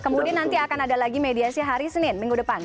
kemudian nanti akan ada lagi mediasi hari senin minggu depan